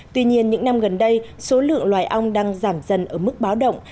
tuy nhiên những năm gần đây số lượng loài ong đang giảm dần ở mức báo động